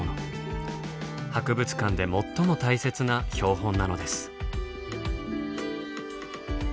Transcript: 博物館で最も大切な標本なのです。